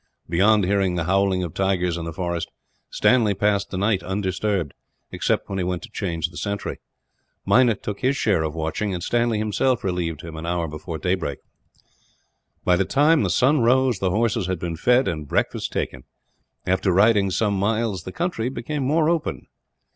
Beyond hearing the howling of tigers in the forest, Stanley passed the night undisturbed, except when he went to change the sentry. Meinik took his share of watching; and Stanley, himself, relieved him an hour before daybreak. By the time the sun rose, the horses had been fed and breakfast taken. After riding some miles, the country became more open.